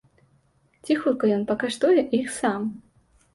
Ці хутка ён пакаштуе іх сам?